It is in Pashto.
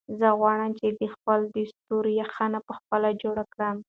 زه غواړم چې خپل د ستورو یخن په خپله جوړ کړم.